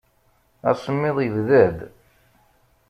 Asemmiḍ yebda-d.